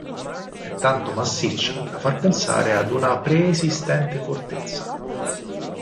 È tanto massiccia da far pensare ad una preesistente fortezza.